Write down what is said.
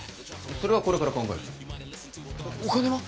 それはこれから考えるお金は？